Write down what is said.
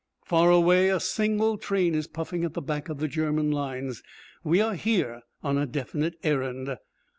Far away a single train is puffing at the back of the German lines. We are here on a definite errand.